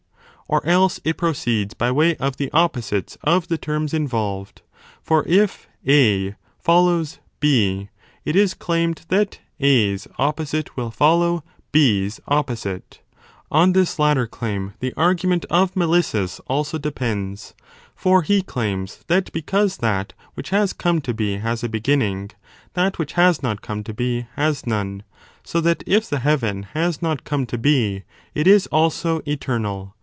Or else it proceeds by way of the opposites of the terms involved : for if A follows B, it is claimed that A s opposite will follow It s opposite. On this latter claim the argument of Melissus also depends : for he claims that because that which has come to be has a beginning, that which has not come to be has none, so that if the heaven has not come to be, it is also eternal.